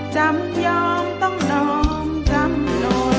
จำยอมต้องนอมจำนอน